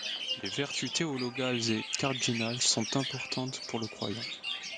Les vertus théologales et cardinales sont importantes pour le croyant.